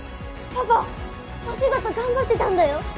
パパお仕事頑張ってたんだよ。